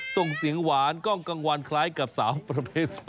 ส่งเสียงหวานกล้องกลางวันคล้ายกับสาวประเภท๒